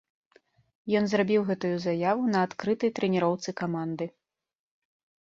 Ён зрабіў гэтую заяву на адкрытай трэніроўцы каманды.